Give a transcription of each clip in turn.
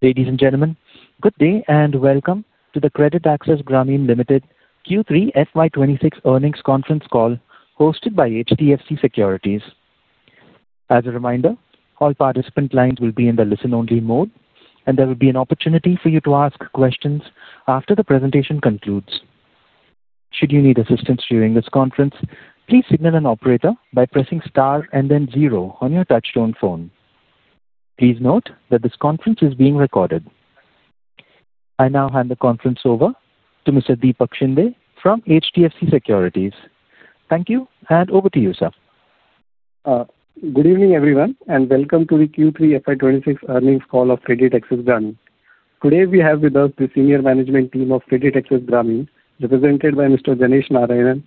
Ladies and gentlemen, good day and welcome to the CreditAccess Grameen Limited Q3 FY 2026 Earnings Conference Call hosted by HDFC Securities. As a reminder, all participant lines will be in the listen-only mode, and there will be an opportunity for you to ask questions after the presentation concludes. Should you need assistance during this conference, please signal an operator by pressing star and then zero on your touchtone phone. Please note that this conference is being recorded. I now hand the conference over to Mr. Deepak Shinde from HDFC Securities. Thank you, and over to you, sir. Good evening, everyone, and welcome to the Q3 FY 2026 earnings call of CreditAccess Grameen. Today, we have with us the senior management team of CreditAccess Grameen, represented by Mr. Ganesh Narayanan,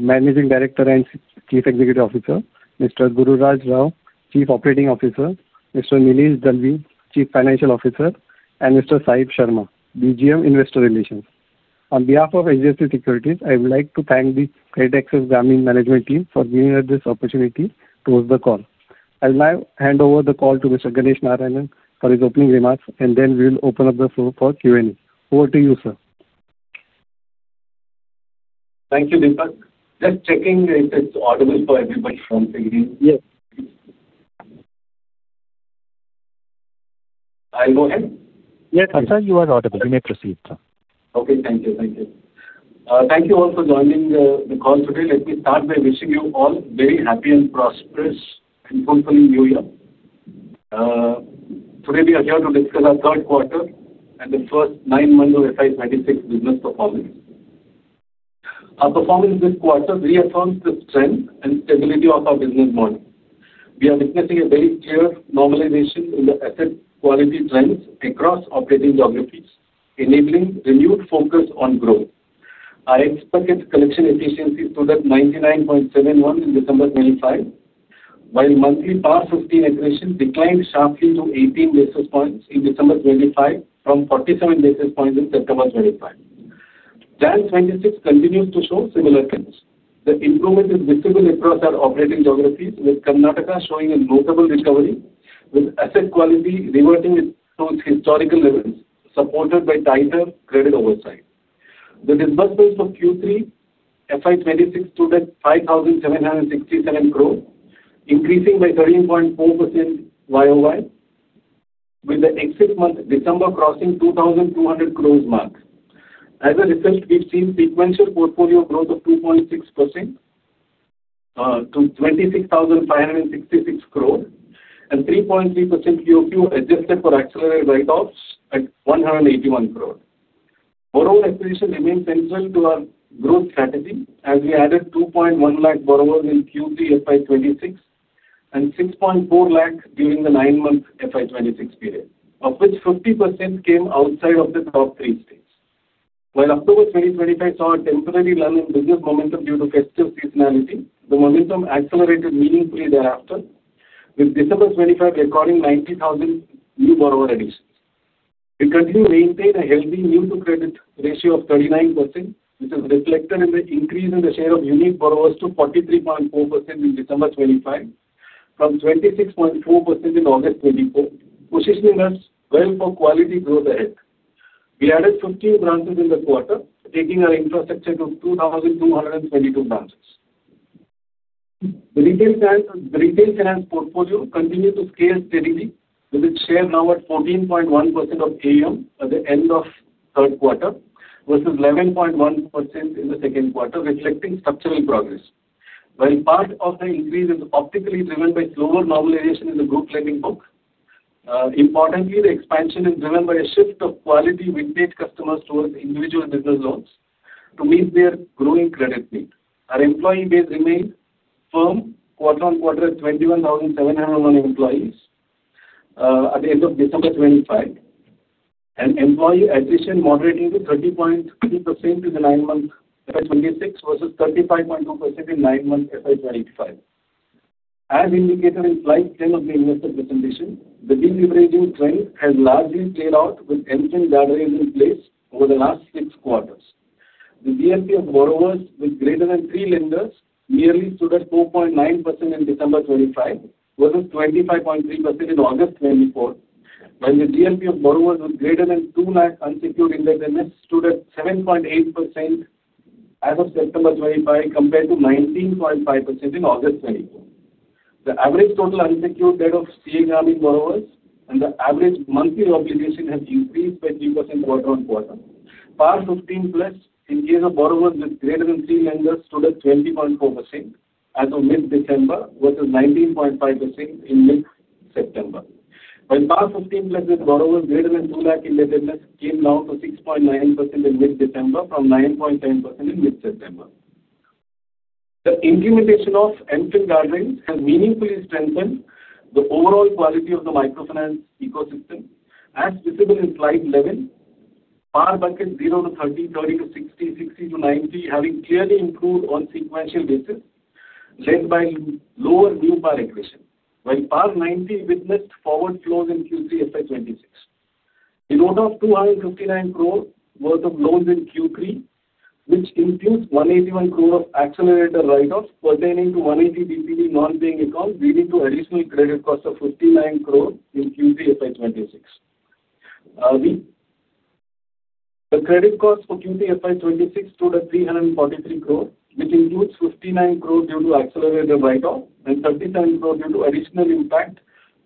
Managing Director and Chief Executive Officer, Mr. Gururaj Rao, Chief Operating Officer, Mr. Nilesh Dalvi, Chief Financial Officer, and Mr. Sahib Sharma, Head of Investor Relations. On behalf of HDFC Securities, I would like to thank the CreditAccess Grameen management team for giving us this opportunity to host the call. I will now hand over the call to Mr. Ganesh Narayanan for his opening remarks, and then we will open up the floor for Q&A. Over to you, sir. Thank you, Deepak. Just checking if it's audible for everybody from the... Yes. I'll go ahead. Yes, sir, you are audible. You may proceed, sir. Okay, thank you. Thank you. Thank you all for joining the call today. Let me start by wishing you all a very happy and prosperous and fulfilling New Year. Today, we are here to discuss our third quarter and the first nine months of FY 2026 business performance. Our performance this quarter reaffirms the strength and stability of our business model. We are witnessing a very clear normalization in the asset quality trends across operating geographies, enabling renewed focus on growth. Our expected collection efficiency stood at 99.71% in December 2025, while monthly PAR 15 accretion declined sharply to 18 basis points in December 2025 from 47 basis points in September 2025. FY 2026 continues to show similar trends. The improvement is visible across our operating geographies, with Karnataka showing a notable recovery, with asset quality reverting to its historical levels, supported by tighter credit oversight. The disbursements for Q3 FY 2026 stood at INR 5,767 crore, increasing by 13.4% YOY, with the exit month December crossing 2,200 crore mark. As a result, we've seen sequential portfolio growth of 2.6% to 26,566 crore, and 3.3% QoQ adjusted for accelerated write-offs at 181 crore. Borrower acquisition remains central to our growth strategy, as we added 2.1 lakh borrowers in Q3 FY 2026 and 6.4 lakh during the nine-month FY 2026 period, of which 50% came outside of the top three states. While October 2025 saw a temporary run in business momentum due to festive seasonality, the momentum accelerated meaningfully thereafter, with December 2025 recording 90,000 new borrower additions. We continue to maintain a healthy new-to-credit ratio of 39%, which is reflected in the increase in the share of unique borrowers to 43.4% in December 2025 from 26.4% in August 2024, positioning us well for quality growth ahead. We added 15 branches in the quarter, taking our infrastructure to 2,222 branches. The retail finance portfolio continued to scale steadily, with its share now at 14.1% of AUM at the end of the third quarter versus 11.1% in the second quarter, reflecting structural progress. While part of the increase is optically driven by slower normalization in the group lending book, importantly, the expansion is driven by a shift of quality JLG customers towards individual business loans to meet their growing credit need. Our employee base remained firm quarter on quarter at 21,701 employees at the end of December 2025, and employee addition moderating to 30.3% in the nine-month FY 2026 versus 35.2% in nine-month FY 2025. As indicated in slide 10 of the investor presentation, the deleveraging trend has largely played out with end-to-end guardrails in place over the last six quarters. The GLP of borrowers with greater than three lenders merely stood at 4.9% in December 2025 versus 25.3% in August 2024, while the GLP of borrowers with greater than two lakh unsecured indebtedness stood at 7.8% as of September 2025 compared to 19.5% in August 2024. The average total unsecured debt of CA Grameen borrowers and the average monthly obligation have increased by 3% quarter on quarter. PAR 15 plus in case of borrowers with greater than three lenders stood at 20.4% as of mid-December versus 19.5% in mid-September, while PAR 15 plus in borrowers greater than two lakh indebtedness came down to 6.9% in mid-December from 9.7% in mid-September. The implementation of end-to-end guardrails has meaningfully strengthened the overall quality of the microfinance ecosystem, as visible in slide 11. PAR buckets 0 to 30, 30 to 60, 60 to 90 having clearly improved on a sequential basis, led by lower new PAR accretion, while PAR 90 witnessed forward flows in Q3 FY 2026. We wrote off 259 crore worth of loans in Q3, which includes 181 crore of accelerated write-offs pertaining to 180 DPD non-paying accounts, leading to an additional credit cost of 59 crore in Q3 FY 2026. The credit cost for Q3 FY 2026 stood at 343 crore, which includes 59 crore due to accelerated write-offs and 37 crore due to additional impact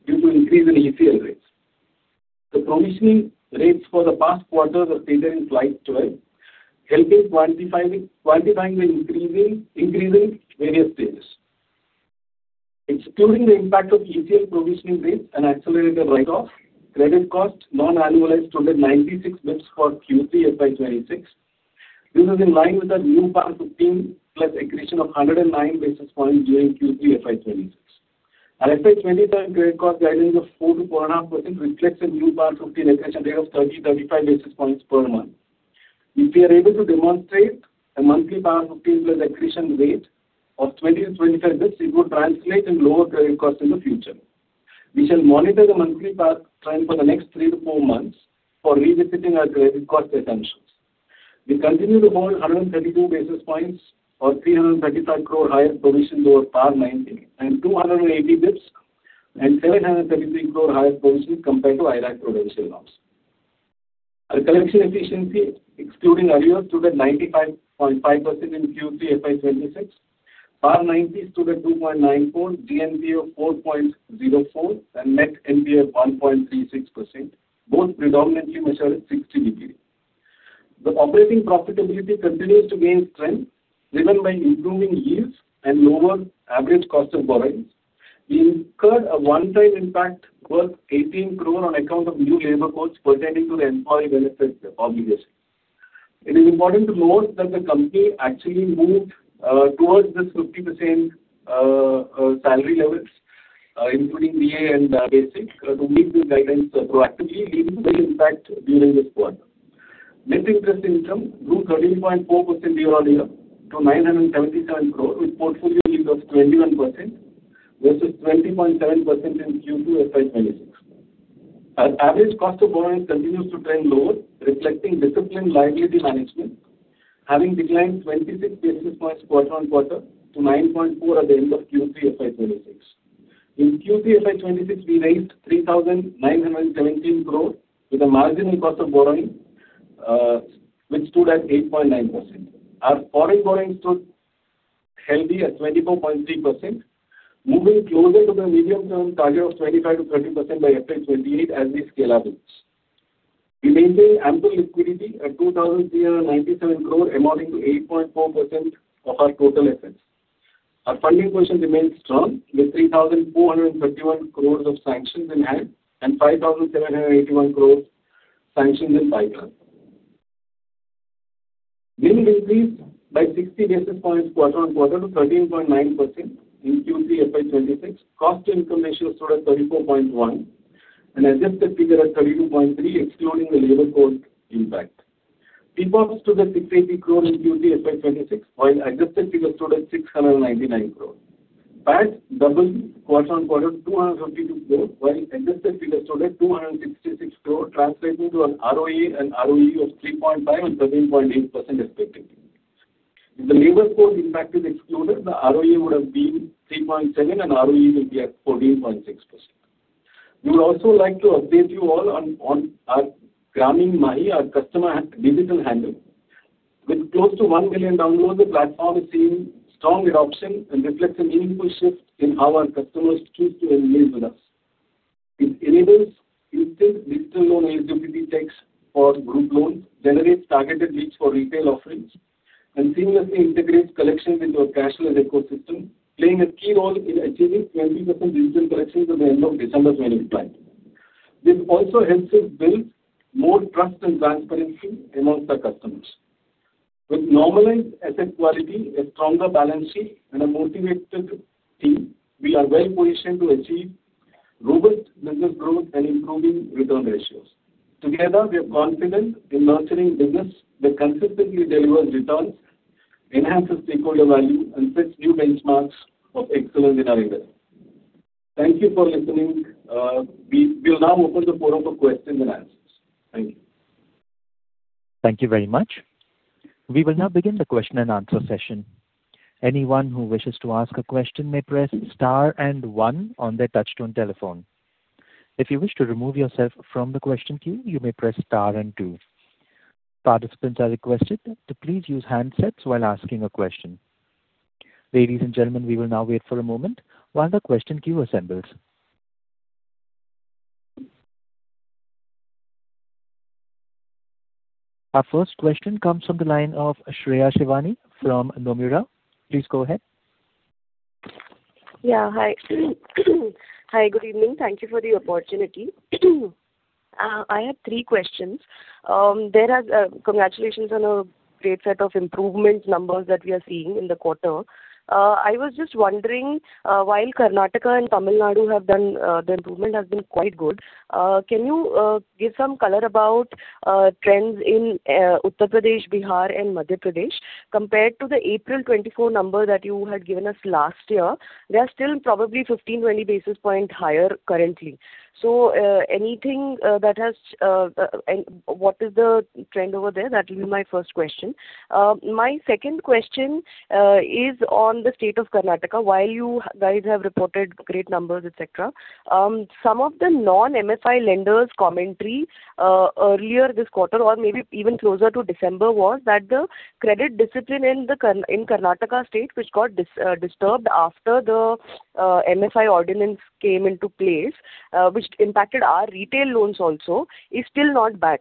due to increase in ECL rates. The provisioning rates for the past quarters are figured in slide 12, helping quantify the increasing various stages. Excluding the impact of ECL provisioning rates and accelerated write-offs, credit cost non-annualized stood at 96 basis points for Q3 FY 2026. This is in line with our new PAR 15 plus accretion of 109 basis points during Q3 FY 2026. Our FY 2027 credit cost guidance of 4-4.5% reflects a new PAR 15 accretion rate of 30-35 basis points per month. If we are able to demonstrate a monthly PAR 15 plus accretion rate of 20-25 basis points, it would translate in lower credit cost in the future. We shall monitor the monthly PAR trend for the next three to four months for revisiting our credit cost assumptions. We continue to hold 132 basis points or 335 crore higher provisions over PAR 90 and 280 basis points and 733 crore higher provisions compared to IRAC prudential loans. Our collection efficiency, excluding arrears, stood at 95.5% in Q3 FY 2026. PAR 90 stood at 2.94, GNPA of 4.04, and Net NPA of 1.36%, both predominantly measured at 60 DPD. The operating profitability continues to gain strength driven by improving yields and lower average cost of borrowings. We incurred a one-time impact worth 18 crore on account of new labor codes pertaining to the employee benefits obligations. It is important to note that the company actually moved towards this 50% salary levels, including DA and basic, to meet this guidance proactively, leading to a big impact during this quarter. Net interest income grew 13.4% year-on-year to 977 crore, with portfolio yield of 21% versus 20.7% in Q2 FY 2026. Our average cost of borrowing continues to trend lower, reflecting disciplined liability management, having declined 26 basis points quarter on quarter to 9.4% at the end of Q3 FY 2026. In Q3 FY 2026, we raised 3,917 crore with a marginal cost of borrowing, which stood at 8.9%. Our foreign borrowing stood healthy at 24.3%, moving closer to the medium-term target of 25%-30% by FY 2028 as we scale out the year. We maintain ample liquidity at 2,397 crore, amounting to 8.4% of our total assets. Our funding position remains strong with 3,431 crores of sanctions in hand and 5,781 crores sanctions in background. We will increase by 60 basis points quarter on quarter to 13.9% in Q3 FY 2026. Cost-to-income ratio stood at 34.1%, and adjusted figure at 32.3%, excluding the labor code impact. PPOP stood at INR 680 crore in Q3 FY 2026, while adjusted figure stood at 699 crore. PAT doubled quarter on quarter to 252 crore, while adjusted figure stood at 266 crore, translating to an ROA and ROE of 3.5% and 13.8% respectively. If the labor code impact is excluded, the ROA would have been 3.7%, and ROE will be at 14.6%. We would also like to update you all on our Grameen Mahi, our customer digital handle. With close to 1 million downloads, the platform is seeing strong adoption and reflects a meaningful shift in how our customers choose to engage with us. It enables instant digital loan eligibility checks for group loans, generates targeted reach for retail offerings, and seamlessly integrates collection with your cashless ecosystem, playing a key role in achieving 20% digital collections at the end of December 2022. This also helps us build more trust and transparency among our customers. With normalized asset quality, a stronger balance sheet, and a motivated team, we are well-positioned to achieve robust business growth and improving return ratios. Together, we are confident in nurturing business that consistently delivers returns, enhances stakeholder value, and sets new benchmarks of excellence in our industry. Thank you for listening. We will now open the floor for questions and answers. Thank you. Thank you very much. We will now begin the question and answer session. Anyone who wishes to ask a question may press star and one on their touch-tone telephone. If you wish to remove yourself from the question queue, you may press star and two. Participants are requested to please use handsets while asking a question. Ladies and gentlemen, we will now wait for a moment while the question queue assembles. Our first question comes from the line of Shreya Shivani from Nomura. Please go ahead. Yeah, hi. Hi, good evening. Thank you for the opportunity. I have three questions. Congratulations on a great set of improvement numbers that we are seeing in the quarter. I was just wondering, while Karnataka and Tamil Nadu have done, the improvement has been quite good. Can you give some color about trends in Uttar Pradesh, Bihar, and Madhya Pradesh compared to the April 24 number that you had given us last year? They are still probably 15-20 basis points higher currently. So anything that has, what is the trend over there? That will be my first question. My second question is on the state of Karnataka. While you guys have reported great numbers, etc., some of the non-MFI lenders' commentary earlier this quarter, or maybe even closer to December, was that the credit discipline in Karnataka state, which got disturbed after the MFI ordinance came into place, which impacted our retail loans also, is still not back.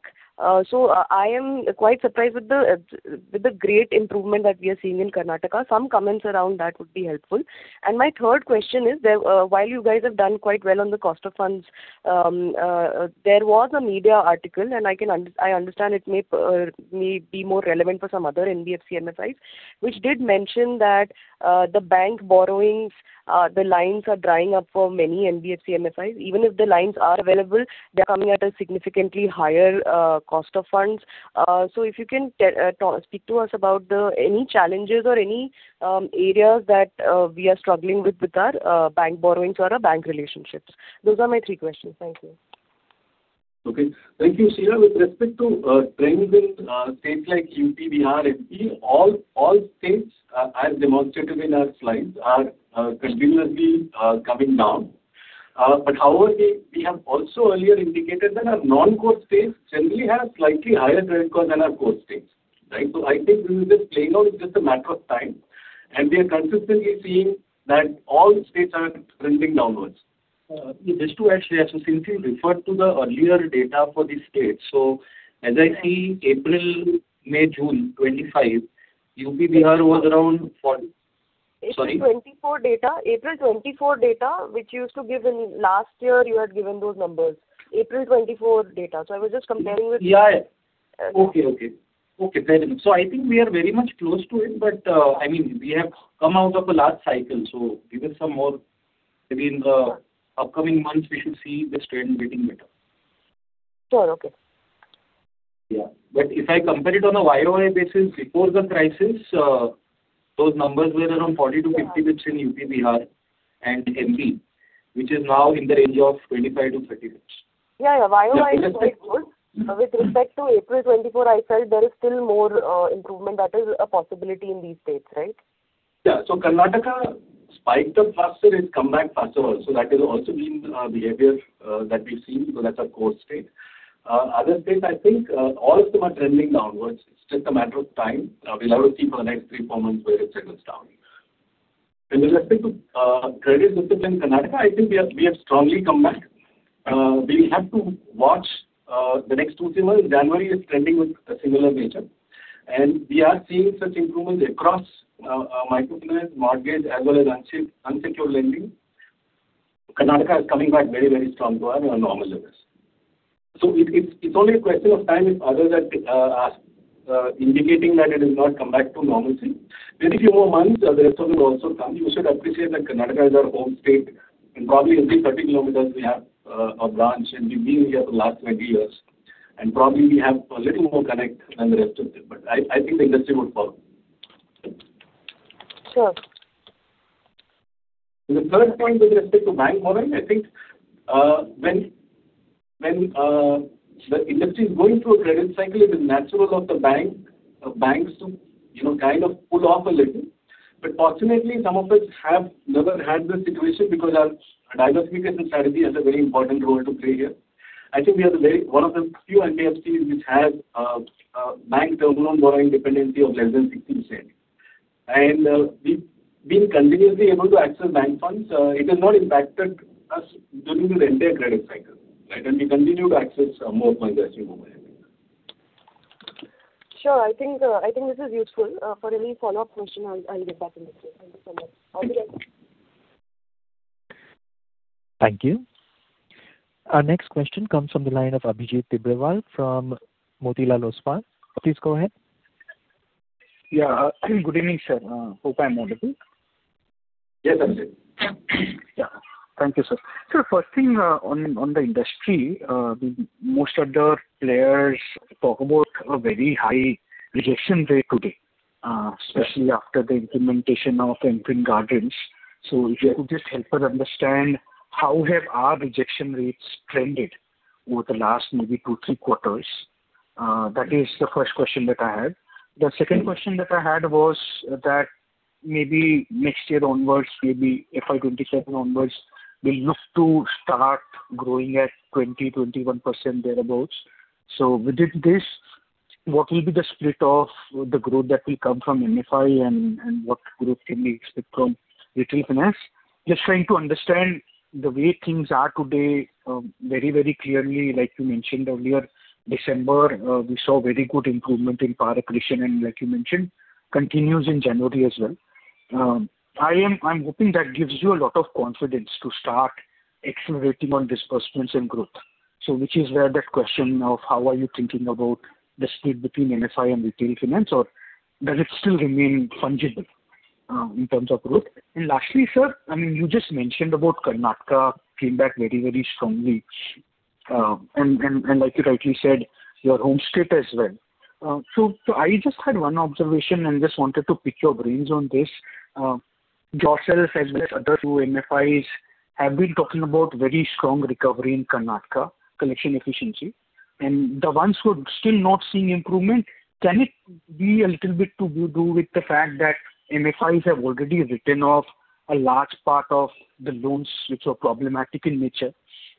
So I am quite surprised with the great improvement that we are seeing in Karnataka. Some comments around that would be helpful. And my third question is, while you guys have done quite well on the cost of funds, there was a media article, and I understand it may be more relevant for some other NBFC MFIs, which did mention that the bank borrowings, the lines are drying up for many NBFC MFIs. Even if the lines are available, they're coming at a significantly higher cost of funds. So if you can speak to us about any challenges or any areas that we are struggling with our bank borrowings or our bank relationships. Those are my three questions. Thank you. Okay. Thank you, Shreya. With respect to trends in states like UP, Bihar, and MP, all states, as demonstrated in our slides, are continuously coming down. But however, we have also earlier indicated that our non-core states generally have slightly higher credit scores than our core states. So I think this is just playing out. It's just a matter of time. And we are consistently seeing that all states are trending downwards. Just to actually associatively refer to the earlier data for these states. So as I see April, May, June 2025, UP, Bihar was around. April 24 data, which you used to give in last year. You had given those numbers. So I was just comparing with. Yeah, yeah. Okay. Very much. So I think we are very much close to it, but I mean, we have come out of a large cycle. So given some more, maybe in the upcoming months, we should see this trend getting better. Sure, okay. Yeah. But if I compare it on a YOI basis, before the crisis, those numbers were around 40-50 basis points in UP, Bihar, and MP, which is now in the range of 25-30 basis points. Yeah, yeah. YOI is quite good. With respect to April 24, I felt there is still more improvement that is a possibility in these states, right? Yeah. So Karnataka spiked up faster. It's come back faster also. That has also been a behavior that we've seen because that's our core state. Other states, I think all of them are trending downwards. It's just a matter of time. We'll have to see for the next three, four months where it settles down. With respect to credit discipline in Karnataka, I think we have strongly come back. We will have to watch the next two or three months. January is trending with a similar nature, and we are seeing such improvements across microfinance, mortgage, as well as unsecured lending. Karnataka is coming back very, very strong to our normal levels. So it's only a question of time if others are indicating that it has not come back to normalcy. With a few more months, the rest of them will also come. You should appreciate that Karnataka is our home state, and probably every 30 kilometers, we have a branch, and we've been here for the last 20 years, and probably we have a little more connect than the rest of them, but I think the industry would follow. Sure. The third point with respect to bank borrowing, I think when the industry is going through a credit cycle, it is natural for banks to kind of pull off a little. But fortunately, some of us have never had this situation because our diversification strategy has a very important role to play here. I think we are one of the few NBFCs which has bank terminal borrowing dependency of less than 60%. And we've been continuously able to access bank funds. It has not impacted us during the entire credit cycle. And we continue to access more funds as we move ahead. Sure. I think this is useful. For any follow-up question, I'll get back in the stream. Thank you so much. Thank you. Our next question comes from the line of Abhijit Tibrewal from Motilal Oswal. Please go ahead. Yeah. Good evening, sir. Hope I'm audible. Yes, Abhijit. Yeah. Thank you, sir. So the first thing on the industry, most of the players talk about a very high rejection rate today, especially after the implementation of guardrails. So if you could just help us understand how have our rejection rates trended over the last maybe two, three quarters? That is the first question that I have. The second question that I had was that maybe next year onwards, maybe FY 2027 onwards, we'll look to start growing at 20-21% thereabouts. So within this, what will be the split of the growth that will come from MFI and what growth can we expect from retail finance? Just trying to understand the way things are today very, very clearly. Like you mentioned earlier, December, we saw very good improvement in PAR accretion, and like you mentioned, continues in January as well. I'm hoping that gives you a lot of confidence to start accelerating on disbursements and growth, which is where that question of how are you thinking about the split between MFI and retail finance, or does it still remain fungible in terms of growth? And lastly, sir, I mean, you just mentioned about Karnataka came back very, very strongly. And like you rightly said, your home state as well. So I just had one observation and just wanted to pick your brains on this. Yourself as well as other two MFIs have been talking about very strong recovery in Karnataka, collection efficiency. The ones who are still not seeing improvement, can it be a little bit to do with the fact that MFIs have already written off a large part of the loans which are problematic in nature,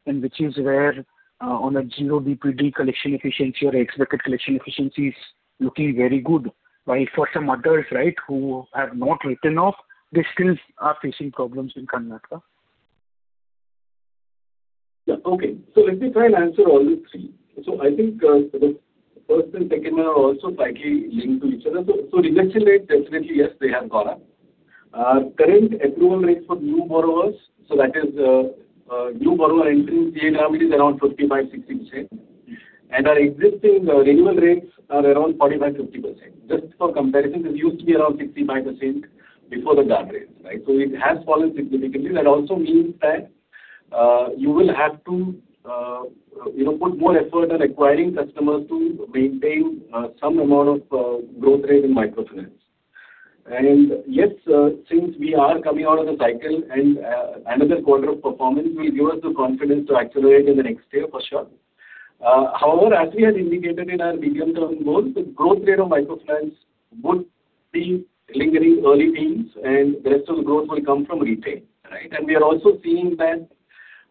and which is where on a zero DPD collection efficiency or expected collection efficiencies looking very good, while for some others who have not written off, they still are facing problems in Karnataka? Yeah, okay. So let me try and answer all the three. So I think the first and second are also slightly linked to each other. So rejection rates, definitely, yes, they have gone up. Current approval rates for new borrowers, so that is new borrower entry in CA Grameen, is around 55-60%. And our existing renewal rates are around 45-50%. Just for comparison, this used to be around 65% before the guardrails. So it has fallen significantly. That also means that you will have to put more effort on acquiring customers to maintain some amount of growth rate in microfinance. And yes, since we are coming out of the cycle, and another quarter of performance will give us the confidence to accelerate in the next year for sure. However, as we had indicated in our medium-term goals, the growth rate of microfinance would be lagging in early teams, and the rest of the growth will come from retail, and we are also seeing that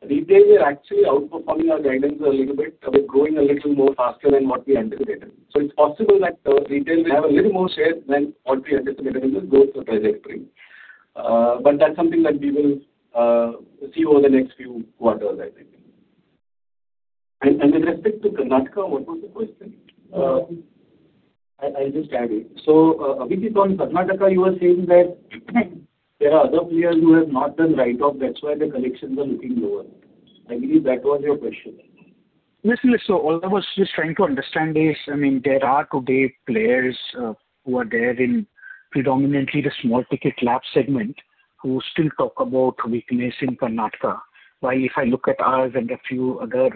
retail is actually outperforming our guidance a little bit, growing a little more faster than what we anticipated, so it's possible that retail will have a little more share than what we anticipated in the growth trajectory, but that's something that we will see over the next few quarters, I think, and with respect to Karnataka, what was the question? I'll just add it, so Abhijit, on Karnataka, you were saying that there are other players who have not done write-off. That's why the collections are looking lower. I believe that was your question. Yes, yes. So all I was just trying to understand is, I mean, there are today players who are there in predominantly the small ticket loan segment who still talk about weakness in Karnataka. While if I look at us and a few other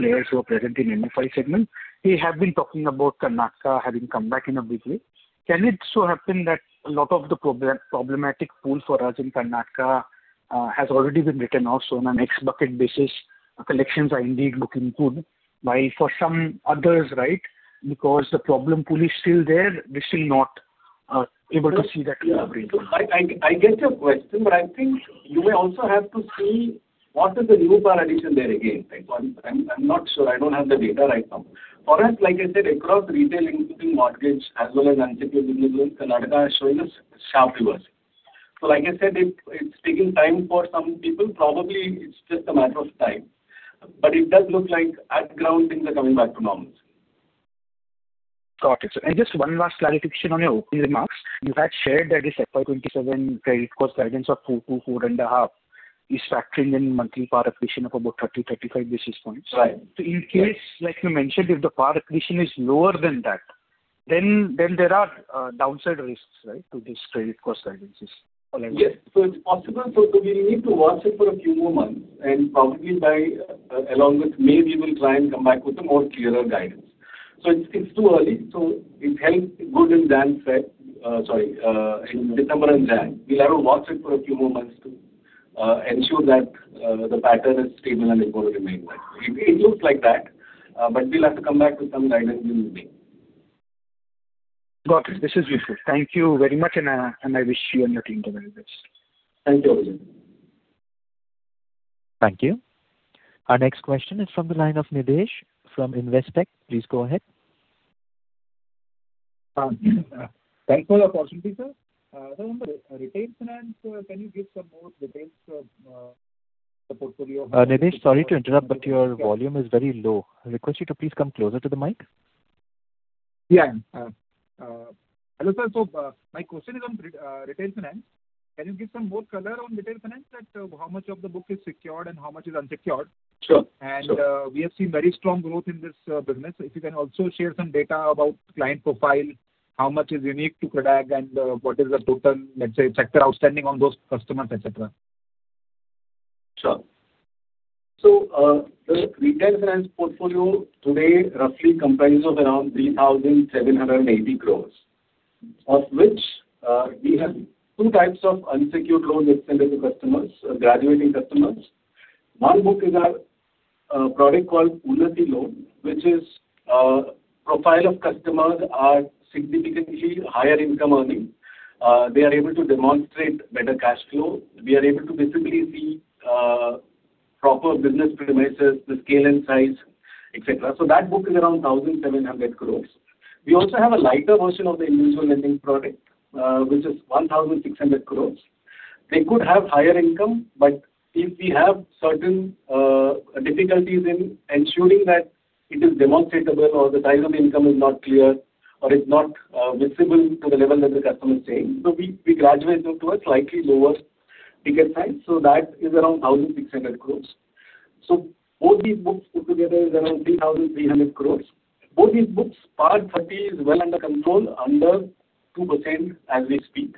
players who are present in MFI segment, they have been talking about Karnataka having come back in a big way. Can it so happen that a lot of the problematic pool for us in Karnataka has already been written off? So on an ex-bucket basis, collections are indeed looking good, while for some others, because the problem pool is still there, we're still not able to see that. I get your question, but I think you may also have to see what is the new PAR addition there again. I'm not sure. I don't have the data right now. For us, like I said, across retail including mortgage as well as unsecured business loans, Karnataka is showing a sharp reversal. So like I said, it's taking time for some people. Probably it's just a matter of time. But it does look like on the ground, things are coming back to normal. Got it. And just one last clarification on your opening remarks. You had shared that this FY 2027 credit cost guidance of 2 to 4.5 is factoring in monthly PAR accretion of about 30-35 basis points. So in case, like you mentioned, if the PAR accretion is lower than that, then there are downside risks to these credit cost guidances. Yes. So it's possible. So we'll need to watch it for a few more months. And probably by along with May, we will try and come back with a more clearer guidance. So it's too early. So it held good and demand set, sorry, in December and January. We'll have to watch it for a few more months to ensure that the pattern is stable and it will remain that way. It looks like that, but we'll have to come back with some guidance in May. Got it. This is useful. Thank you very much, and I wish you and your team the very best. Thank you, Abhijit. Thank you. Our next question is from the line of Nidhesh from Investec. Please go ahead. Thanks for the opportunity, sir. So on the retail finance, can you give some more details on the portfolio? Nidhesh, sorry to interrupt, but your volume is very low. I request you to please come closer to the mic. Yeah. Hello, sir. So my question is on retail finance. Can you give some more color on retail finance, how much of the book is secured and how much is unsecured? And we have seen very strong growth in this business. If you can also share some data about client profile, how much is unique to CredAgg and what is the total, let's say, sector outstanding on those customers, etc. Sure. So the retail finance portfolio today roughly comprises of around 3,780 crores, of which we have two types of unsecured loans extended to customers, graduating customers. One book is our product called Unnati Loan, which is profile of customers are significantly higher income earning. They are able to demonstrate better cash flow. We are able to visibly see proper business premises, the scale and size, etc. So that book is around 1,700 crores. We also have a lighter version of the individual lending product, which is 1,600 crores. They could have higher income, but if we have certain difficulties in ensuring that it is demonstrable or the size of the income is not clear or it's not visible to the level that the customer is saying, so we graduate to a slightly lower ticket size. So that is around 1,600 crores. Both these books put together is around 3,300 crores. Both these books, PAR 30, is well under control, under 2% as we speak.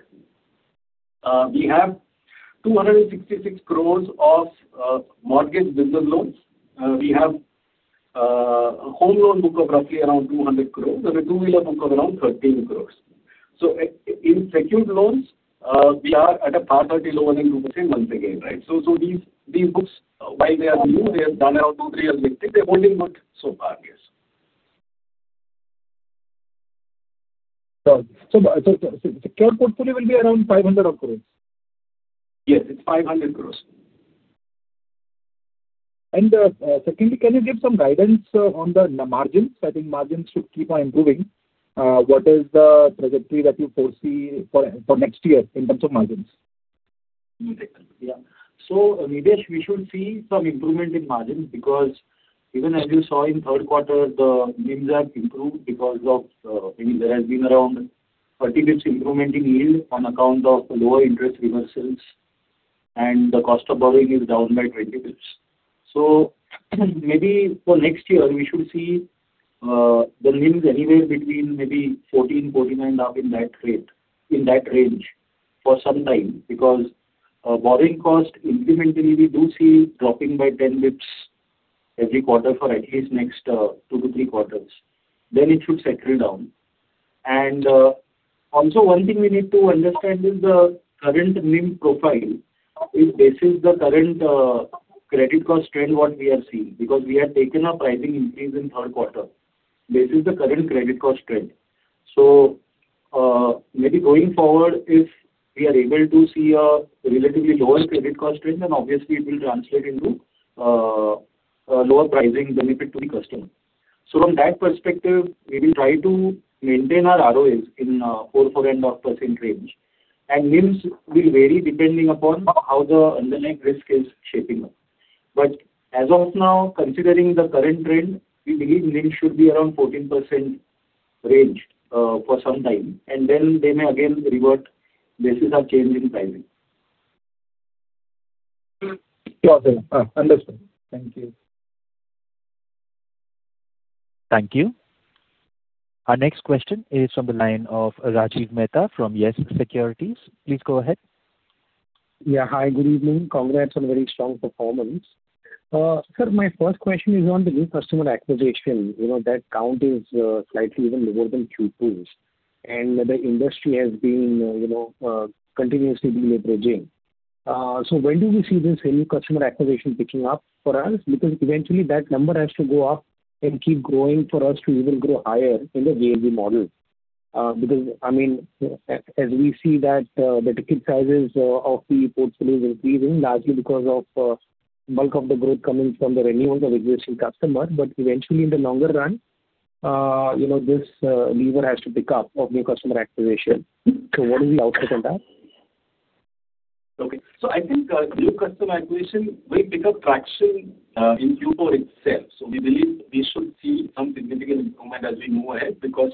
We have 266 crores of mortgage business loans. We have a home loan book of roughly around 200 crores and a two-wheeler book of around 13 crores. So in secured loans, we are at a PAR 30 lower than 2% once again. So these books, while they are new, they have done around two, three years of intake. They're holding good so far, yes. Got it. So the secured portfolio will be around 500 crores? Yes, it's 500 crores. And secondly, can you give some guidance on the margins? I think margins should keep on improving. What is the trajectory that you foresee for next year in terms of margins? Yeah. So Nidhesh, we should see some improvement in margins because even as you saw in third quarter, the NIM has improved because of maybe there has been around 30 basis points improvement in yield on account of the lower interest reversals. And the cost of borrowing is down by 20 basis points. So maybe for next year, we should see the NIM anywhere between maybe 14%-14.5% in that range for some time because borrowing cost incrementally, we do see dropping by 10 basis points every quarter for at least next two to three quarters. Then it should settle down. And also one thing we need to understand is the current NIM profile is basically the current credit cost trend, what we are seeing because we had taken a pricing increase in third quarter. This is the current credit cost trend. So maybe going forward, if we are able to see a relatively lower credit cost trend, then obviously it will translate into lower pricing benefit to the customer. So from that perspective, we will try to maintain our ROAs in 4-4.5% range. And NIMS will vary depending upon how the underlying risk is shaping up. But as of now, considering the current trend, we believe NIMS should be around 14% range for some time. And then they may again revert basis of change in pricing. Got it. Understood. Thank you. Thank you. Our next question is from the line of Rajiv Mehta from YES SECURITIES. Please go ahead. Yeah. Hi, good evening. Congrats on very strong performance. Sir, my first question is on the new customer acquisition. That count is slightly even lower than Q2. And the industry has been continuously deleveraging. So when do we see this new customer acquisition picking up for us? Because eventually that number has to go up and keep growing for us to even grow higher in the JLG model. Because I mean, as we see that the ticket sizes of the portfolio is increasing largely because of bulk of the growth coming from the renewals of existing customers. But eventually, in the longer run, this lever has to pick up of new customer acquisition. So what is the outlook on that? Okay. So I think new customer acquisition will pick up traction in Q4 itself. So we believe we should see some significant improvement as we move ahead because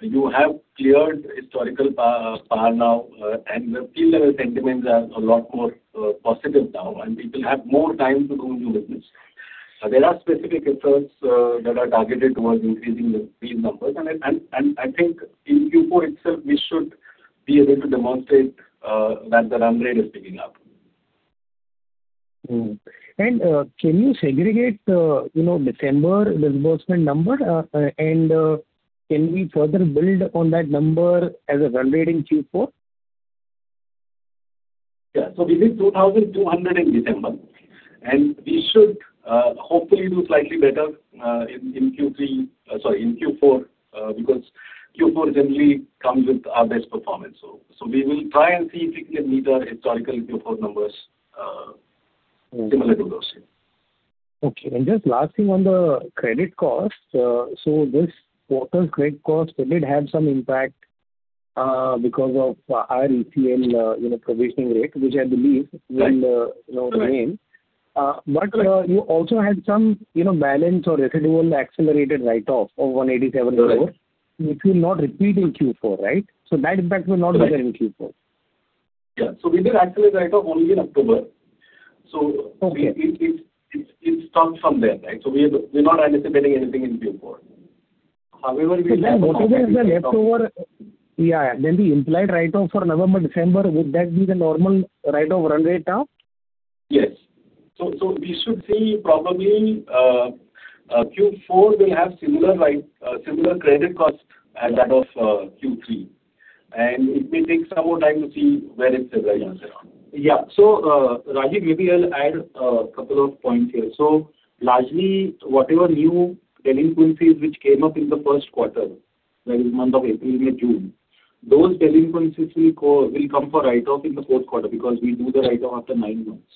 you have cleared historical par now, and the field-level sentiments are a lot more positive now, and people have more time to do new business. There are specific efforts that are targeted towards increasing these numbers. And I think in Q4 itself, we should be able to demonstrate that the run rate is picking up. And can you segregate the December disbursement number? And can we further build on that number as a run rate in Q4? Yeah, so we did 2,200 in December, and we should hopefully do slightly better in Q3, sorry, in Q4 because Q4 generally comes with our best performance, so we will try and see if we can meet our historical Q4 numbers similar to those. Okay. And just last thing on the credit cost. So this quarter's credit cost did have some impact because of our ECL provisioning rate, which I believe will remain. But you also had some balance or residual accelerated write-off of 187 crores which will not repeat in Q4, right? So that impact will not be there in Q4. Yeah. So we did accelerate write-off only in October. So it stopped from there, right? So we're not anticipating anything in Q4. However, we'll have to. So if we have the leftover, yeah, then the implied write-off for November, December, would that be the normal write-off run rate now? Yes. So we should see probably Q4 will have similar credit cost as that of Q3. And it may take some more time to see where it stabilizes around. Yeah. So Rajiv, maybe I'll add a couple of points here. So largely, whatever new delinquencies which came up in the first quarter, that is month of April, May, June, those delinquencies will come for write-off in the fourth quarter because we do the write-off after nine months.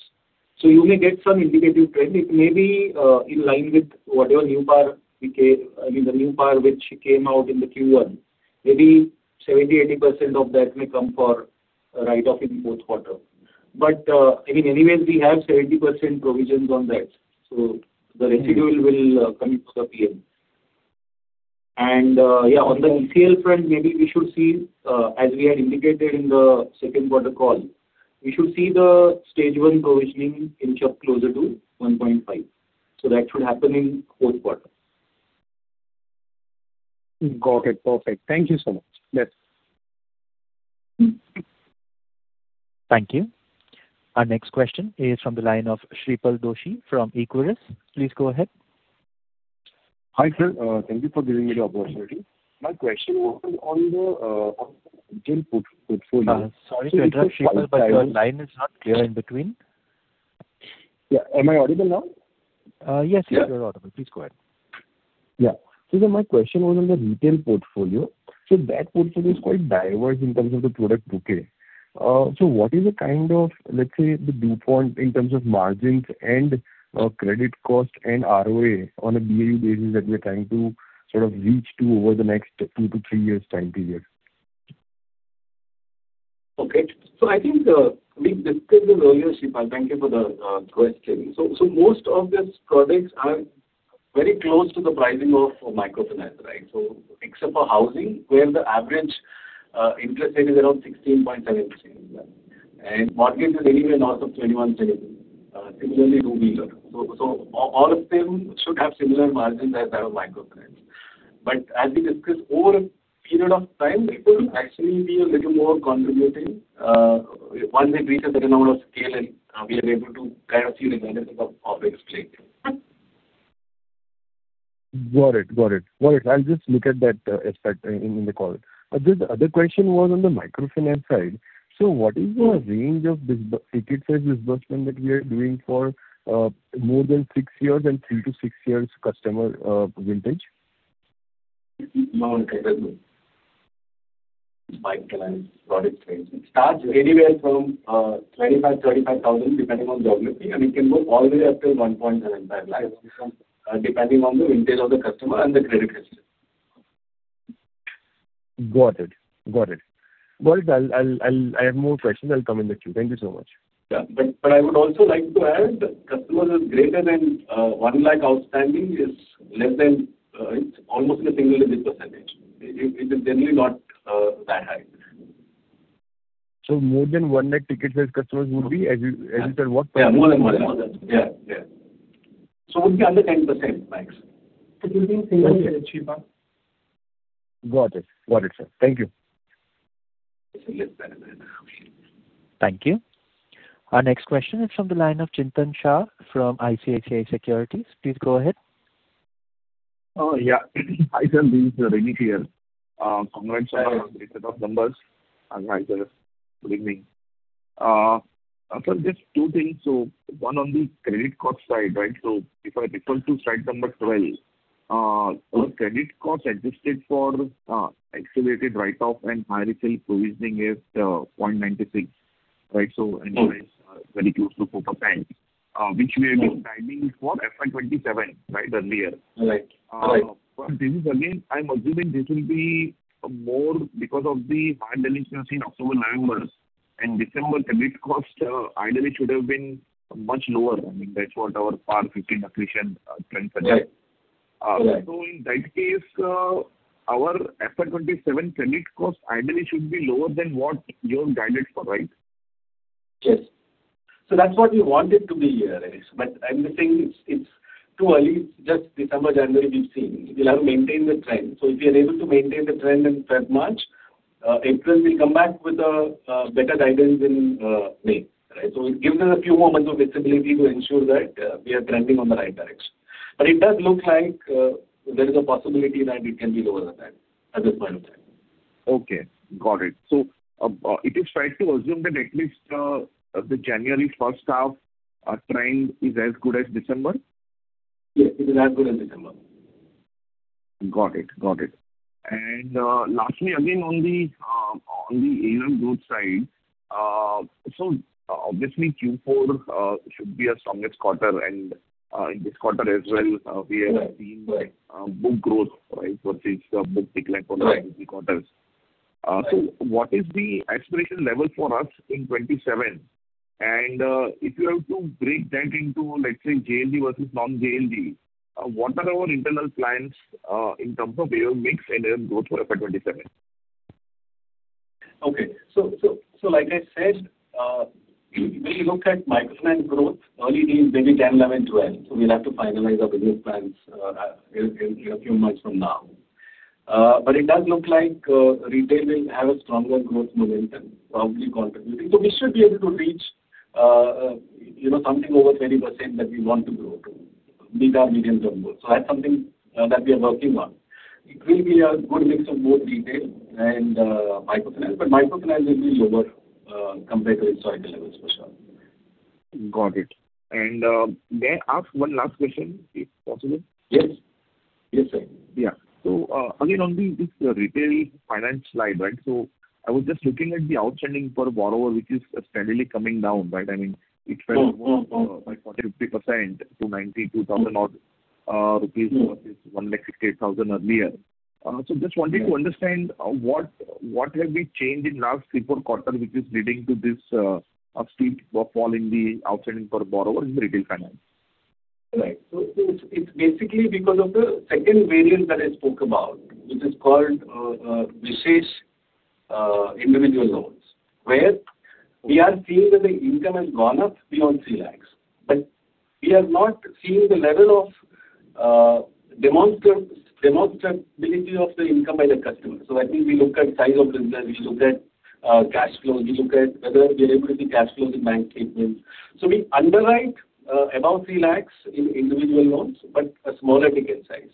So you may get some indicative trend. It may be in line with whatever new par, I mean, the new par which came out in the Q1. Maybe 70%-80% of that may come for write-off in the fourth quarter. But I mean, anyways, we have 70% provisions on that. So the residual will come into the PM. And yeah, on the ECL front, maybe we should see, as we had indicated in the second quarter call, we should see the stage one provisioning inch up closer to 1.5. So that should happen in fourth quarter. Got it. Perfect. Thank you so much. Yes. Thank you. Our next question is from the line of Shreepal Doshi from Equirus. Please go ahead. Hi sir. Thank you for giving me the opportunity. My question was on the retail portfolio. Sorry to interrupt, Shreepal, but your line is not clear in between. Yeah. Am I audible now? Yes, you're audible. Please go ahead. My question was on the retail portfolio. That portfolio is quite diverse in terms of the product bouquet. What is the kind of, let's say, the default in terms of margins and credit cost and ROA on a BAU basis that we're trying to sort of reach to over the next two to three years' time period? Okay, so I think we've discussed this earlier, Shreepal. Thank you for the question, so most of these products are very close to the pricing of microfinance, right? So except for housing, where the average interest rate is around 16.7%, and mortgage is anywhere north of 21%, similarly two-wheeler, so all of them should have similar margins as that of microfinance, but as we discussed over a period of time, it will actually be a little more contributing once it reaches a certain amount of scale, and we are able to kind of see the benefit of explaining. Got it. Got it. Got it. I'll just look at that effect in the call. The other question was on the microfinance side. So what is the range of ticket size disbursement that we are doing for more than six years and three to six years customer vintage? No one can tell you microfinance product range. It starts anywhere from 25,000, 35,000, depending on geography. And it can go all the way up to 1.75 lakhs, depending on the vintage of the customer and the credit history. Got it. Got it. Got it. I have more questions. I'll come in the queue. Thank you so much. Yeah. But I would also like to add that customers greater than 1 lakh outstanding is less than it's almost in a single-digit %. It is generally not that high. So more than 1 lakh ticket size customers would be, as you said, what percentage? Yeah, more than one lakh. Yeah. Yeah. So it would be under 10% max. You mean single digit, Shreepal? Got it. Got it, sir. Thank you. It's less than 1 lakh. Thank you. Our next question is from the line of Chintan Shah from ICICI Securities. Please go ahead. Yeah. Hi, sir. This is Renish here. Congrats on the set of numbers. Hi, sir. Good evening. So just two things. So one on the credit cost side, right? So if I refer to slide number 12, the credit cost ex accelerated write-off and higher ECL provisioning is 0.96%, right? So anyways, very close to 4%, which we have been aiming for FY 2027, right, earlier. Right. Right. But this is again, I'm assuming this will be more because of the hard delinquency in October and November. And December credit costs ideally should have been much lower. I mean, that's what our PAR 15 acquisition trend suggests. Right. So in that case, our FY 2027 credit cost ideally should be lower than what you have guided for, right? Yes. So that's what we wanted to be here, Renish. But I'm just saying it's too early. It's just December, January we've seen. We'll have to maintain the trend. So if we are able to maintain the trend in February, March, April will come back with a better guidance in May, right? So it gives us a few more months of visibility to ensure that we are trending on the right direction. But it does look like there is a possibility that it can be lower than that at this point of time. Okay. Got it. So it is fair to assume that at least the January first half trend is as good as December? Yes. It is as good as December. Got it. Got it. And lastly, again, on the AUM growth side, so obviously Q4 should be a strongest quarter. And in this quarter as well, we have seen book growth, right, versus book declined for the quarters. So what is the aspiration level for us in 2027? And if you have to break that into, let's say, JLG versus non-JLG, what are our internal plans in terms of AUM mix and AUM growth for FY 2027? Okay. So like I said, we will look at microfinance growth early days, maybe 10, 11, 12. So we'll have to finalize our business plans in a few months from now. But it does look like retail will have a stronger growth momentum, probably contributing. So we should be able to reach something over 20% that we want to grow to meet our median turnover goal. So that's something that we are working on. It will be a good mix of both retail and microfinance. But microfinance will be lower compared to historical levels for sure. Got it. And may I ask one last question, if possible? Yes. Yes, sir. Yeah. So again, on this retail finance slide, right? So I was just looking at the outstanding per borrower, which is steadily coming down, right? I mean, it fell more by 40%-50% to 92,000 rupees versus 168,000 rupees earlier. So just wanting to understand what have we changed in last Q4 quarter, which is leading to this steep fall in the outstanding per borrower in the retail finance? Right. It's basically because of the second variant that I spoke about, which is called retail individual loans, where we are seeing that the income has gone up beyond 3 lakhs. But we are not seeing the level of demonstrability of the income by the customer. That means we look at size of business. We look at cash flows. We look at whether we are able to see cash flows in bank statements. We underwrite about 3 lakhs in individual loans, but a smaller ticket size.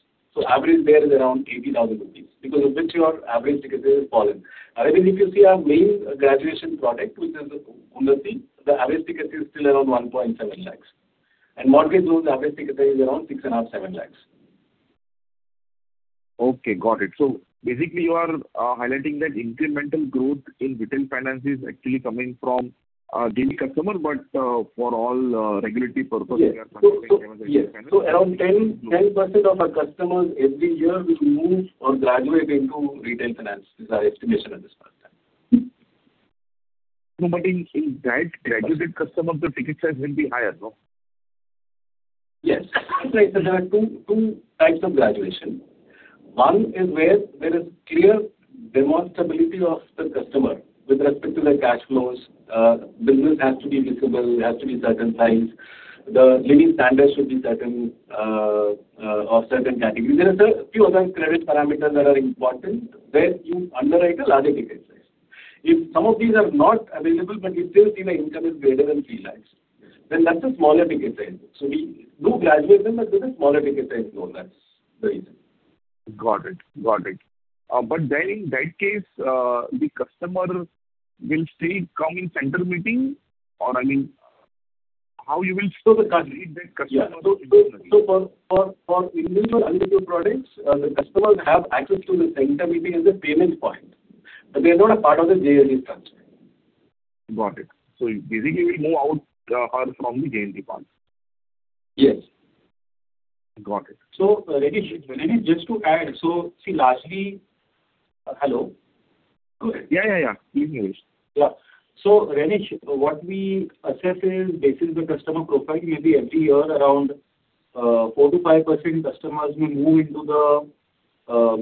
Average there is around 80,000 rupees because of which your average ticket size has fallen. That means if you see our main graduation product, which is Unnati, the average ticket size is still around 1.7 lakhs. Mortgage loans, the average ticket size is around 6.5-7 lakhs. Okay. Got it, so basically, you are highlighting that incremental growth in Retail Finance is actually coming from existing customer, but for all regulatory purposes, we are considering microfinance. Yes. So around 10% of our customers every year will move or graduate into Retail Finance. This is our estimation at this point of time. But in that graduated customer, the ticket size will be higher, no? Yes. Right. So there are two types of graduation. One is where there is clear demonstrability of the customer with respect to their cash flows. Business has to be visible, has to be certain size. The living standards should be certain of certain categories. There are a few other credit parameters that are important where you underwrite a larger ticket size. If some of these are not available, but you still see the income is greater than 3 lakhs, then that's a smaller ticket size. So we do graduate them, but with a smaller ticket size loan. That's the reason. Got it. Got it. But then in that case, the customer will still come in center meeting? Or I mean, how you will still meet that customer? For individual products, the customers have access to the center meeting as a payment point. But they are not a part of the JLG structure. Got it. So basically, you will move out from the JLG part. Yes. Got it. So, Renish, just to add, so, see, largely hello? Go ahead. Yeah, yeah, yeah. Please go ahead. Yeah. So Renish, what we assess is based on the customer profile, maybe every year around 4%-5% customers will move into the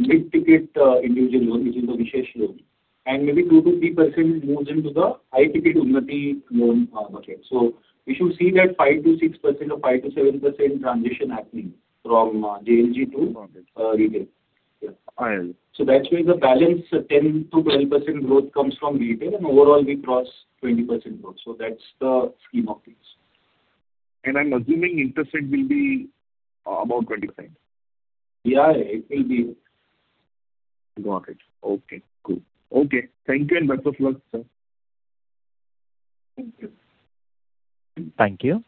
mid-ticket individual loan, which is the research loan. And maybe 2%-3% moves into the high-ticket Unnati loan bucket. So we should see that 5%-6% or 5%-7% transition happening from JLG to retail. I heard you. So that's where the balance 10-12% growth comes from retail. And overall, we cross 20% growth. So that's the scheme of things. I'm assuming interest rate will be about 20%? Yeah, it will be. Got it. Okay. Cool. Okay. Thank you and best of luck, sir. Thank you. Thank you.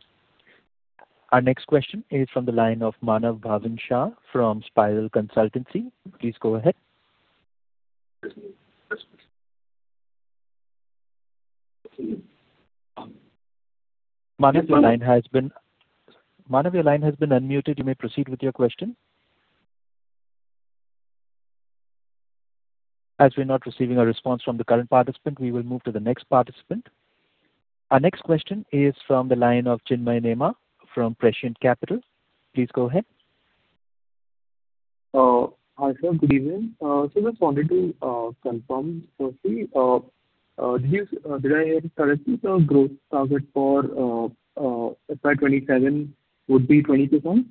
Our next question is from the line of Manav Bhavin Shah from Spiral Consultancy. Please go ahead. Manav, your line has been unmuted. You may proceed with your question. As we're not receiving a response from the current participant, we will move to the next participant. Our next question is from the line of Chinmay Nema from Prescient Capital. Please go ahead. Hi, sir. So just wanted to confirm, firstly, did I hear correctly the growth target for FY 2027 would be 20%?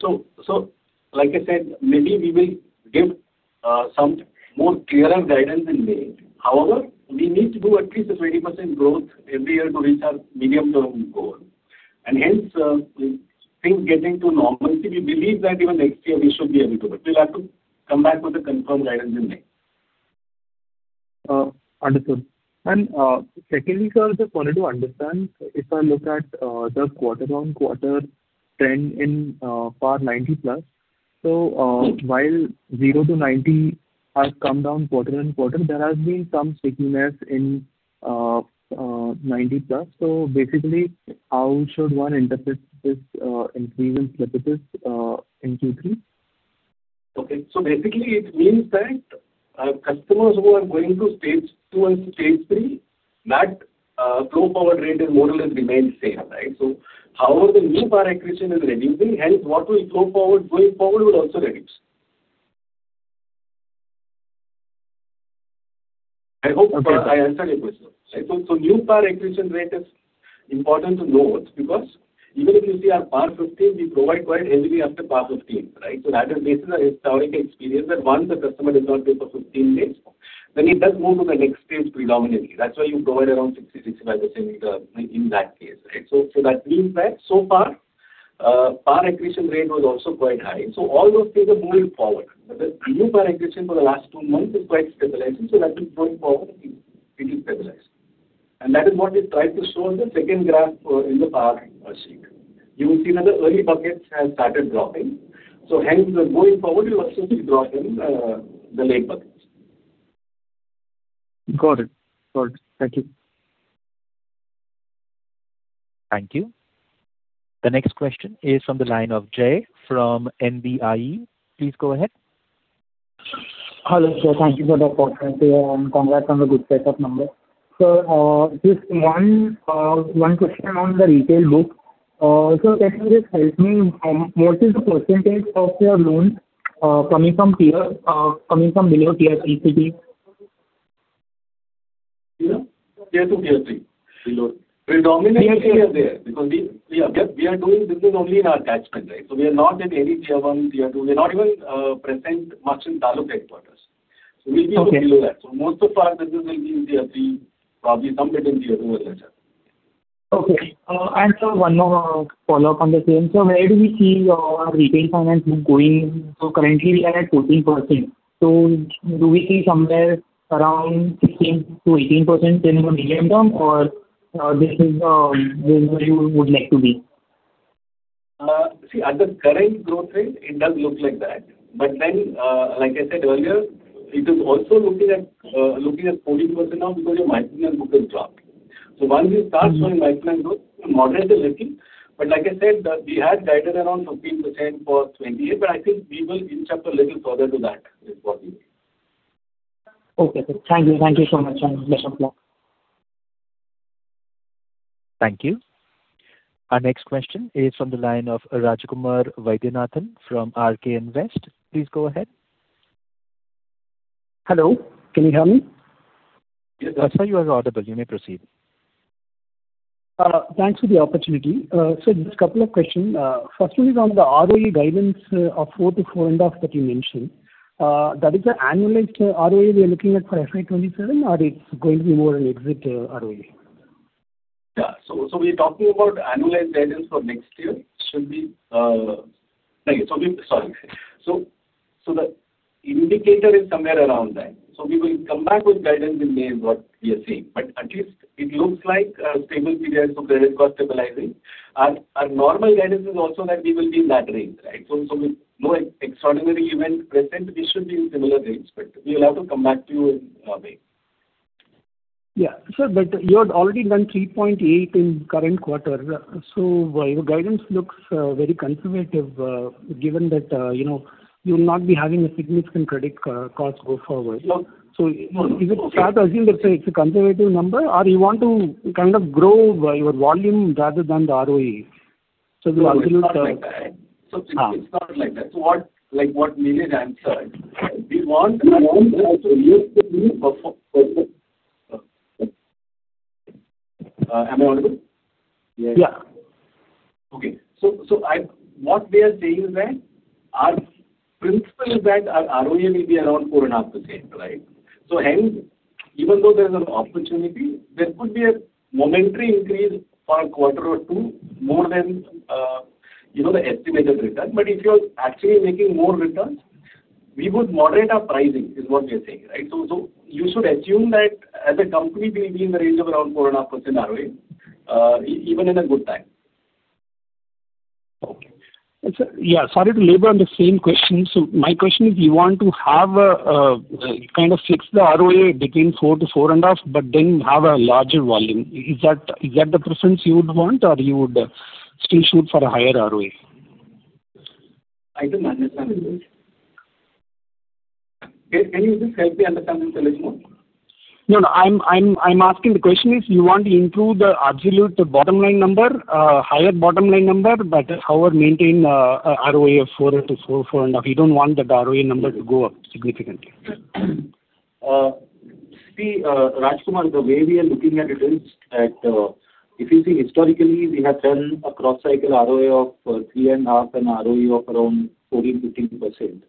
So like I said, maybe we will give some more clearer guidance in May. However, we need to do at least a 20% growth every year to reach our medium-term goal. And hence, things getting to normalcy, we believe that even next year we should be able to. But we'll have to come back with a confirmed guidance in May. Understood. Secondly, sir, just wanted to understand if I look at the quarter-on-quarter trend in for 90-plus. So while 0 to 90 has come down quarter-on-quarter, there has been some stickiness in 90-plus. So basically, how should one interpret this increase in slippages in Q3? Okay. So basically, it means that customers who are going through stage two and stage three, that flow forward rate and model has remained same, right? So however, the new par accretion is reducing. Hence, what will flow forward going forward will also reduce. I hope I answered your question, right? So new par accretion rate is important to note because even if you see our par 15, we provide quite heavily after par 15, right? So that is based on our historical experience that once the customer does not pay for 15 days, then it does move to the next stage predominantly. That's why you provide around 60%-65% in that case, right? So that means that so far, par accretion rate was also quite high. So all those things are moving forward. But the new par accretion for the last two months is quite stabilizing. So that means going forward, it is stabilized. And that is what we tried to show on the second graph in the PAR sheet. You will see that the early buckets have started dropping. So hence, going forward, you'll also see drop in the late buckets. Got it. Got it. Thank you. Thank you. The next question is from the line of Jay from NBIE. Please go ahead. Hello, sir. Thank you for the opportunity. And congrats on the good set of numbers. So just one question on the retail book. So can you just help me? What is the percentage of your loans coming from Tier, coming from below Tier ECG? Tier to Tier below. Predominantly Tier because we are doing business only in our catchment, right? So we are not at any Tier 1, Tier 2. We are not even present much in Taluk headquarters. So we'll be below that. So most of our business will be in Tier 3, probably some bit in Tier 2 or lesser. Okay. And so one more follow-up on the same. So where do we see our retail finance going? So currently, we are at 14%. So do we see somewhere around 16%-18% in the medium term, or this is where you would like to be? See, at the current growth rate, it does look like that. But then, like I said earlier, it is also looking at 14% now because your microfinance book has dropped. So once you start showing microfinance growth, the moderation is little. But like I said, we had guided around 15% for 2028. But I think we will inch up a little further to that is what we will. Okay. Thank you. Thank you so much, sir. Bless you. Thank you. Our next question is from the line of Rajakumar Vaidyanathan from RK Invest. Please go ahead. Hello. Can you hear me? I see you are audible. You may proceed. Thanks for the opportunity. So just a couple of questions. First one is on the ROE guidance of 4%-4.5% that you mentioned. That is the annualized ROE we are looking at for FY 2027, or it's going to be more an exit ROE? Yeah. So we're talking about annualized guidance for next year. Should be, sorry. So the indicator is somewhere around that. So we will come back with guidance in May of what we are seeing. But at least it looks like a stable period. So credit cost stabilizing. Our normal guidance is also that we will be in that range, right? So with no extraordinary event present, we should be in similar range. But we will have to come back to you in May. Yeah. Sir, but you had already done 3.8 in current quarter. So your guidance looks very conservative given that you will not be having a significant credit cost go forward. So is it fair to assume that it's a conservative number, or you want to kind of grow your volume rather than the ROE? So we'll argue with. It's not like that. So it's not like that. So what Nilesh answered, we want to reduce the new PAR. Am I audible? Okay. So what we are saying is that our principle is that our ROE will be around 4.5%, right? So hence, even though there's an opportunity, there could be a momentary increase for a quarter or two more than the estimated return. But if you're actually making more returns, we would moderate our pricing is what we are saying, right? So you should assume that as a company, we'll be in the range of around 4.5% ROE, even in a good time. Okay. Yeah. Sorry to labor on the same question. So my question is, you want to have kind of fix the ROE between 4% to 4.5%, but then have a larger volume. Is that the preference you would want, or you would still shoot for a higher ROE? I do not understand the question. Can you just help me understand and tell us more? No, no. I'm asking the question is, you want to improve the absolute bottom line number, higher bottom line number, but however maintain ROE of 4 to 4 and a half? You don't want that ROE number to go up significantly. See, Rajakumar, the way we are looking at it is that if you see historically, we have done a cross-cycle ROE of 3.5% and ROE of around 14-15%.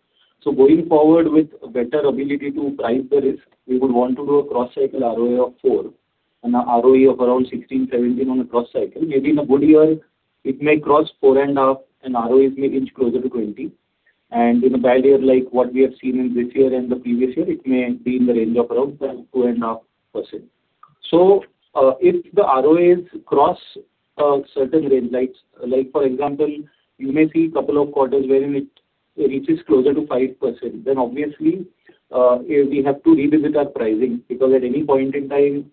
So going forward with a better ability to price the risk, we would want to do a cross-cycle ROE of 4% and an ROE of around 16-17% on a cross-cycle. Maybe in a good year, it may cross 4.5%, and ROEs may inch closer to 20%. And in a bad year, like what we have seen in this year and the previous year, it may be in the range of around 2.5%. So if the ROEs cross a certain range, like for example, you may see a couple of quarters wherein it reaches closer to 5%, then obviously, we have to revisit our pricing because at any point in time,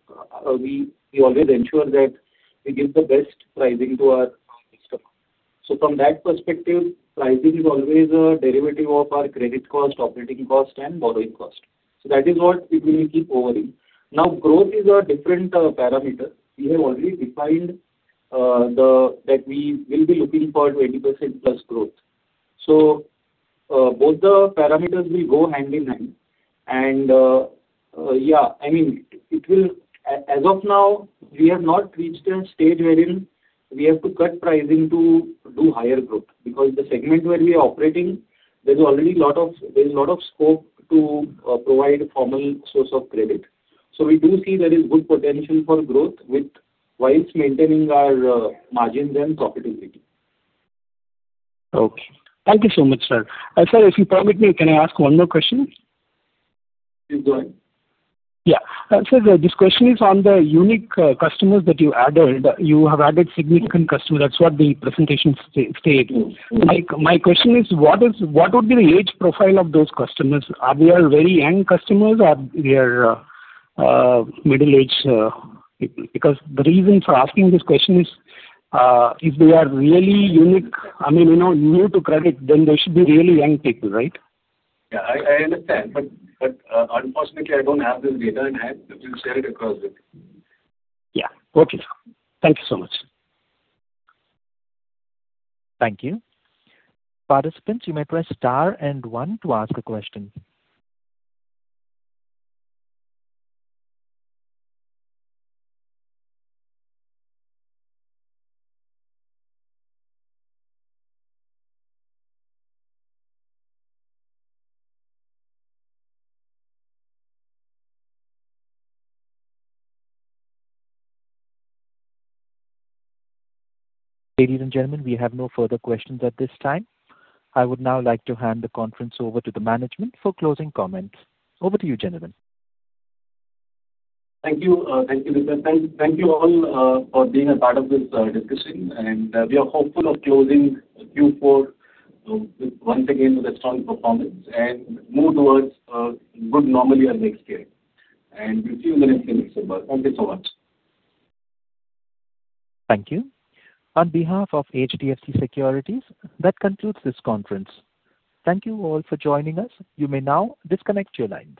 we always ensure that we give the best pricing to our customer. So from that perspective, pricing is always a derivative of our credit cost, operating cost, and borrowing cost. So that is what we will keep over in. Now, growth is a different parameter. We have already defined that we will be looking for 20% plus growth. So both the parameters will go hand in hand. Yeah, I mean, as of now, we have not reached a stage wherein we have to cut pricing to do higher growth because the segment where we are operating, there's a lot of scope to provide formal source of credit. So we do see there is good potential for growth while maintaining our margins and profitability. Okay. Thank you so much, sir. Sir, if you permit me, can I ask one more question? Please go ahead. Yeah. Sir, this question is on the unique customers that you added. You have added significant customers. That's what the presentation stated. My question is, what would be the age profile of those customers? Are they very young customers, or they are middle-aged? Because the reason for asking this question is, if they are really unique, I mean, new to credit, then they should be really young people, right? Yeah, I understand. But unfortunately, I don't have this data, and I will share it across with you. Yeah. Okay. Thank you so much. Thank you. Participants, you may press star and one to ask a question. Ladies and gentlemen, we have no further questions at this time. I would now like to hand the conference over to the management for closing comments. Over to you, gentlemen. Thank you. Thank you, Mr. Thank you all for being a part of this discussion. And we are hopeful of closing Q4 once again with a strong performance and move towards good normal year next year. And we'll see you in the next few weeks, sir. Thank you so much. Thank you. On behalf of HDFC Securities, that concludes this conference. Thank you all for joining us. You may now disconnect your lines.